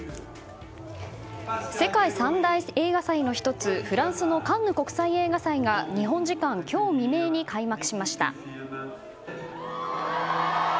世界三大映画祭の１つフランスのカンヌ国際映画祭が日本時間今日未明に開幕しました。